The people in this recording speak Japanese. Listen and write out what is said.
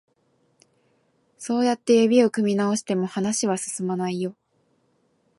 そうやって指を組み直しても、話は進まないよ。